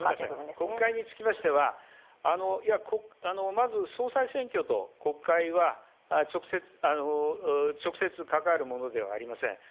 国会については、まず総裁選挙と国会は直接関わるものではありません。